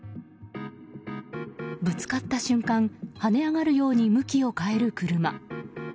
ぶつかった瞬間跳ね上がるように向きを変える車。